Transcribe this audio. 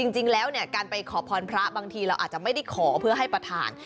จริงแล้วเนี่ยการไปขอพรพระบางทีเราอาจจะไม่ได้ขอเพื่อให้ประธาน